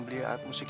terima kasih bang